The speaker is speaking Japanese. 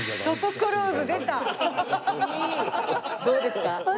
どうですか？